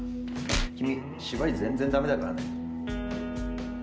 君芝居全然駄目だからね。